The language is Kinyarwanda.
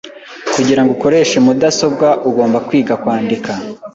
Kugirango ukoreshe mudasobwa, ugomba kwiga kwandika.